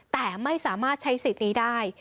แต่ไม่สามารถใช้สิทธิ์นี้ได้